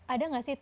ada nggak sih